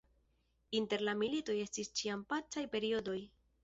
Inter la militoj estis ĉiam pacaj periodoj.